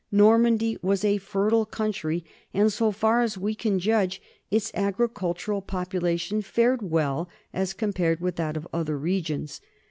Normandy was a fertile country, and, so far as we can judge, its agricultural population fared well as compared with that of other regions.